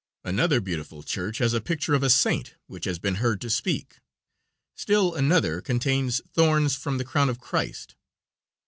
Another beautiful church has a picture of a saint which has been heard to speak. Still another contains thorns from the crown of Christ.